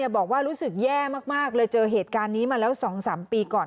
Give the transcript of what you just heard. บอกว่ารู้สึกแย่มากเลยเจอเหตุการณ์นี้มาแล้ว๒๓ปีก่อน